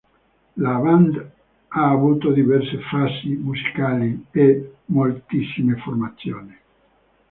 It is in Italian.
La band ha avuto diverse fasi musicali e moltissime formazione.